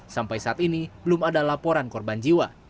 sampai saat ini belum ada laporan korban jiwa